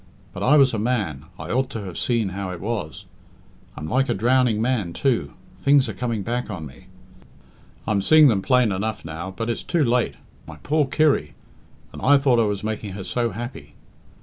But I was a man I ought to have seen how it was. I'm like a drowning man, too things are coming back on me. I'm seeing them plain enough now. But it's too late! My poor Kirry! And I thought I was making her so happy!"